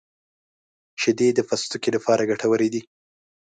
• شیدې د پوستکي لپاره ګټورې دي.